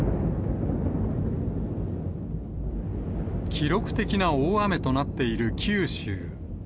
記録的な大雨となっている九州。